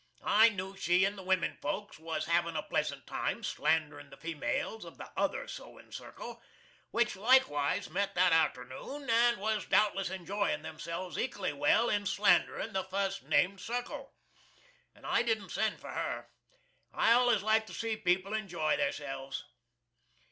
I knew she and the wimin folks was havin' a pleasant time slanderin' the females of the OTHER sowin' circle (which likewise met that arternoon, and was doubtless enjoyin' theirselves ekally well in slanderin' the fust named circle), and I didn't send for her. I allus like to see people enjoy theirselves.